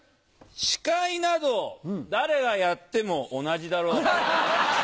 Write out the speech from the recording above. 司会など誰がやっても同じだろう。